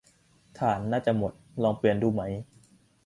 ถ่านน่าจะหมด ลองเปลี่ยนดูไหม